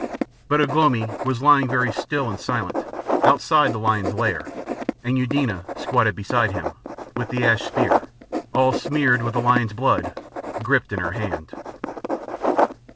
But Ugh lomi was lying very still and silent, outside the lion's lair, and Eudena squatted beside him, with the ash spear, all smeared with lion's blood, gripped in her hand.